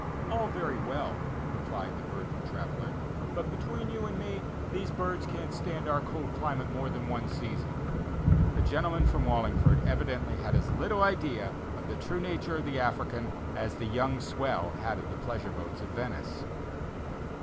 "All very well," replied the verdant traveller, "but between you and me, these birds can't stand our cold climate more than one season." The gentleman from Wallingford evidently had as little idea of the true nature of the African as the young swell had of the pleasure boats of Venice.